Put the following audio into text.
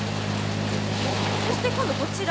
そして、今度はこちら。